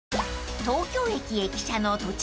［東京駅駅舎の土地